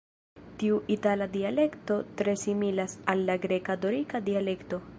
Tiu itala dialekto tre similas al la greka-dorika dialekto.